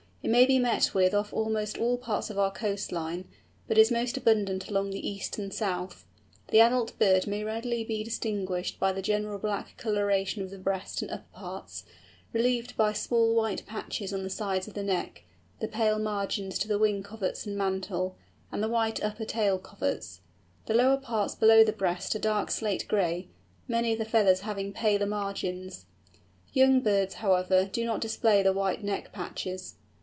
It may be met with off almost all parts of our coast line, but is most abundant along the east and south. The adult bird may readily be distinguished by the general black colouration of the breast and upper parts, relieved by small white patches on the sides of the neck, the pale margins to the wing coverts and mantle, and the white upper tail coverts. The lower parts below the breast are dark slate gray, many of the feathers having paler margins. Young birds, however, do not display the white neck patches.